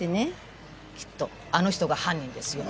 きっとあの人が犯人ですよ。